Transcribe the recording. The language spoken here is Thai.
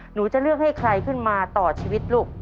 หนูจะเลือกให้ใครขึ้นมาต่อชีวิตลูก